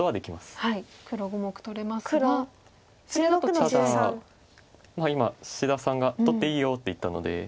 ただ今志田さんが「取っていいよ」って言ったので。